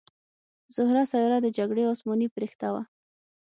زهره سیاره د جګړې اسماني پرښته وه